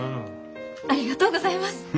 ありがとうございます。